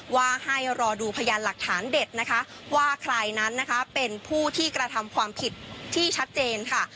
ว่าให้รอดูพยานหลักฐานเด็ดนะคะว่าใครนั้นนะคะเป็นผู้ที่กระทำความผิดที่ชัดเจนค่ะ